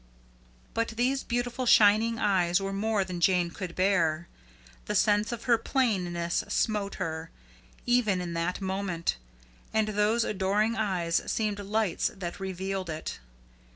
But those beautiful shining eyes were more than Jane could bear. The sense of her plainness smote her, even in that moment; and those adoring eyes seemed lights that revealed it.